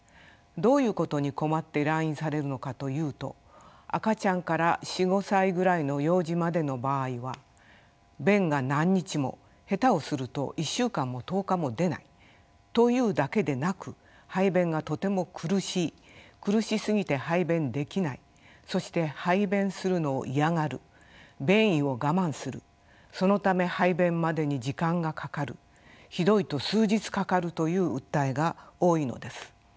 どういうことに困って来院されるのかというと赤ちゃんから４５歳ぐらいの幼児までの場合は便が何日も下手をすると１週間も１０日も出ないというだけでなく排便がとても苦しい苦しすぎて排便できないそして排便するのを嫌がる便意を我慢するそのため排便までに時間がかかるひどいと数日かかるという訴えが多いのです。